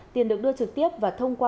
tiền được đưa trực tiếp và thông qua